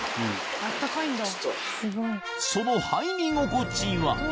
その入り心地は？